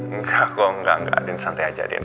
enggak kok gak gak din santai aja din